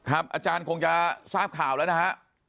อาจารย์คงจะทราบข่าวแล้วนะฮะ